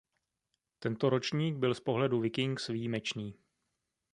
Tento ročník byl z pohledu Vikings výjimečný.